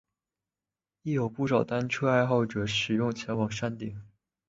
亦有不少单车爱好者使用前往山顶。